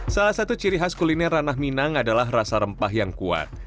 salah satu ciri khas kuliner ranah minang adalah rasa rempah yang kuat